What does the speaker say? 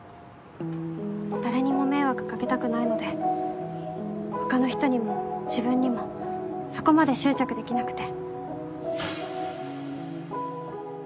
誰にも迷惑かけたくないので他の人にも自分にもそこまで執着できなくて。